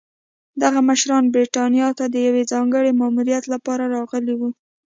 دغه مشران برېټانیا ته د یوه ځانګړي ماموریت لپاره راغلي وو.